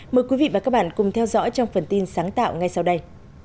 mời quý vị và các bạn cùng theo dõi trong phần tin sáng tạo ngay sau đây